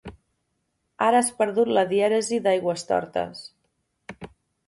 Ara has perdut la dièresi d'Aigüestortes